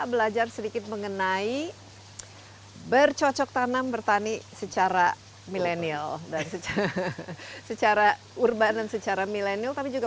belajar sedikit mengenai bercocok tanam bertani secara milenial dan secara secara urban dan secara milenial tapi juga